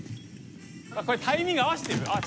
これタイミング合わせてる？